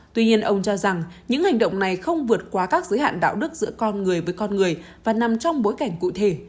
tuy nhiên ông cho rằng những hành động này không vượt qua các giới hạn đạo đức giữa con người với con người và nằm trong bối cảnh cụ thể